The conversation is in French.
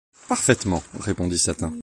Parfaitement, répondit Satin.